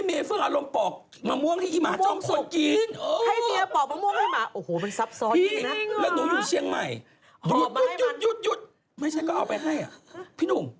มันเห่าแบบคนเดียวใช่ไหม